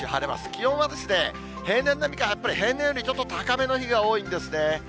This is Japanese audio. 気温は平年並みかやっぱり平年よりちょっと高めの日が多いですね。